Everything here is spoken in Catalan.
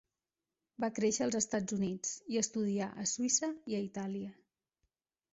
Va créixer als Estats Units i estudià a Suïssa i a Itàlia.